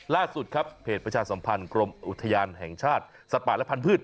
ล่าสุดครับเพจประชาสัมพันธ์กรมอุทยานแห่งชาติสัตว์ป่าและพันธุ์